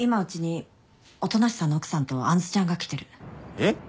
えっ？